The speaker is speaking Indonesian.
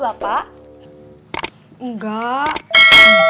jelek jangan lah